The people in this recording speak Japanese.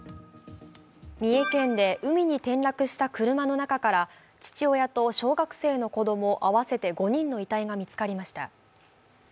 三重県で海に転落した車の中から父親と小学生の子供合わせて５人の遺体が見つかりました。